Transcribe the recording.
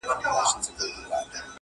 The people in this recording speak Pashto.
• چي د بخت ستوری مو کله و ځلېږې,